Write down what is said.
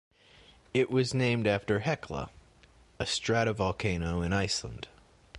It was named after Hekla, a stratovolcano in Iceland.